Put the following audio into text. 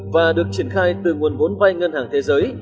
và được triển khai từ nguồn vốn vay ngân hàng thế giới